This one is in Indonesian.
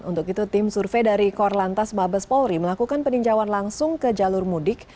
untuk itu tim survei dari korlantas mabes polri melakukan peninjauan langsung ke jalur mudik